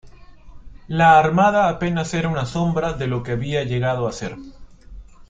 La armada apenas era una sombra de lo que había llegado a ser.